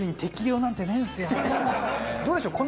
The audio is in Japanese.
どうでしょう？